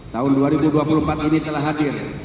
tahun dua ribu dua puluh empat ini telah hadir